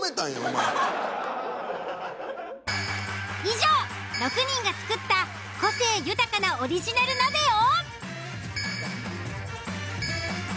以上６人が作った個性豊かなオリジナル鍋を。